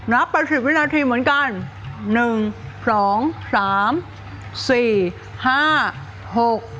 รับไปสิบวินาทีเหมือนกันหนึ่งสองสามสี่ห้าหก